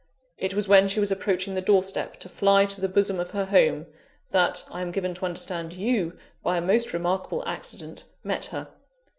It was when she was approaching the door step to fly to the bosom of her home that, I am given to understand, you, by a most remarkable accident, met her.